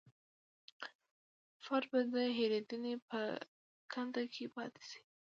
فرد به د هېرېدنې په کنده کې پاتې شي.